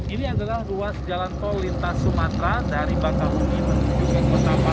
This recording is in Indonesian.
ini adalah ruas jalan tol lintas sumatera dari bangkali menuju ke kota bandung